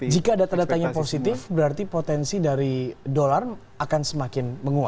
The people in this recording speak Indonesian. jika data datanya positif berarti potensi dari dolar akan semakin menguat